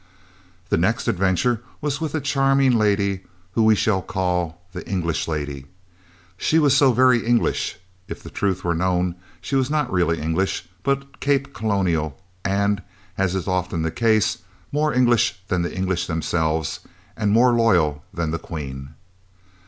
The next adventure was with a charming lady, whom we shall call "the English lady," she was so very English. (If the truth were known, she was not really English, but Cape Colonial, and, as is often the case, more English than the English themselves, and more loyal than the Queen.)